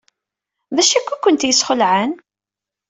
D acu akka ay kent-yesxelɛen?